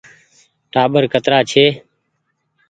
ٽآٻر ڪترآ ڇي ۔